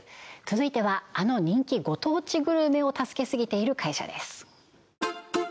続いてはあの人気ご当地グルメを助けすぎている会社です